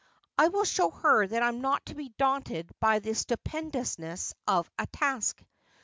I will show her that I am not to be daunted by the stupendousness of a task.